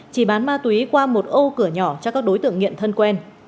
chỉ bán ma túy qua một ô cửa nhỏ cho các đối tượng nghiện thân quen